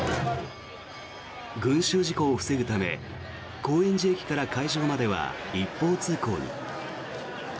群衆事故を防ぐため高円寺駅から会場までは一方通行に。